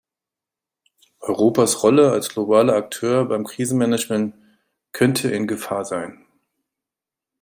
Europas Rolle als globaler Akteur beim Krisenmanagement könnte in Gefahr sein.